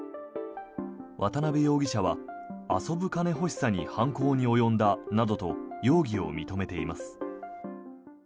渡邊容疑者は、遊ぶ金欲しさに犯行に及んだなどと容疑を認めています。